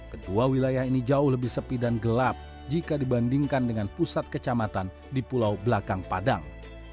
kedua wilayah ini jauh lebih sepi dan gelap jika dibandingkan dengan pusat kecamatan di pulau belakang padang